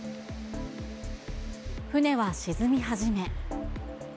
船は沈み始め。